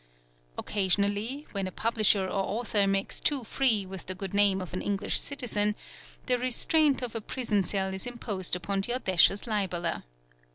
Occasionally, when a publisher or author makes too free with the good name of an English citizen, the restraint of a prison cell is imposed upon the audacious libeller.